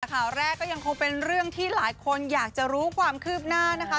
ข่าวแรกก็ยังคงเป็นเรื่องที่หลายคนอยากจะรู้ความคืบหน้านะคะ